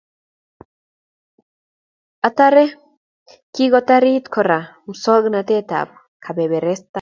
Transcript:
Atare, kikotorit kora masongnatet ab kabeberesta